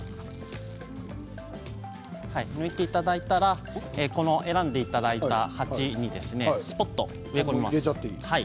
抜いていただいたら選んでいただいた鉢にスポっと植え込みます。